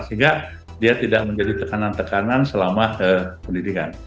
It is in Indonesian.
sehingga dia tidak menjadi tekanan tekanan selama pendidikan